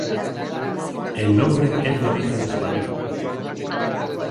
El nombre es de origen español.